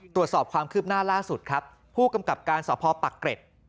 ตรวจสอบความคืบหน้าล่าสุดครับผู้กำกับการสพปักเกร็ด